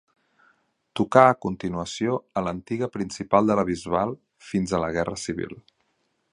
Tocà, a continuació, a l'Antiga Principal de la Bisbal, fins a la Guerra Civil.